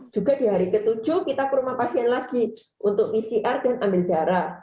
juga di hari ke tujuh kita ke rumah pasien lagi untuk pcr dan ambil darah